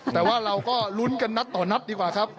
แต่ว่าเราก็ลุ้นกันนัดต่อนัดดีกว่าครับ